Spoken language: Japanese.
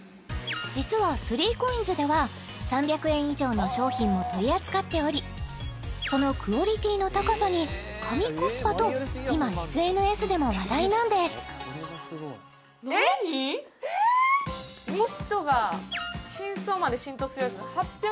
実は３ＣＯＩＮＳでは３００円以上の商品も取り扱っておりそのクオリティーの高さに神コスパと今ＳＮＳでも話題なんですえっ！